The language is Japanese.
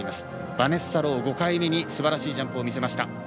バネッサ・ロー、５回目にすばらしいジャンプを見せました。